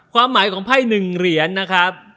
ความหมายของไพ่๑เหรียญนะครับ